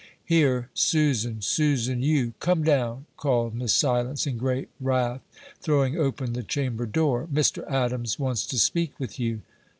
"Here, Susan! Susan! you come down!" called Miss Silence, in great wrath, throwing open the chamber door. "Mr. Adams wants to speak with you."